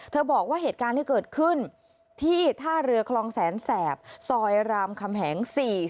บอกว่าเหตุการณ์ที่เกิดขึ้นที่ท่าเรือคลองแสนแสบซอยรามคำแหง๔๔